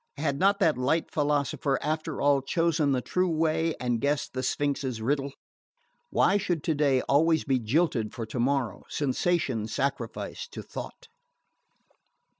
Had not that light philosopher after all chosen the true way and guessed the Sphinx's riddle? Why should today always be jilted for tomorrow, sensation sacrificed to thought?